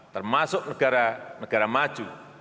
termasuk negara maju